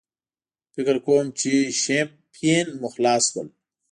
فکر کوم چې شیمپین مو خلاص شول.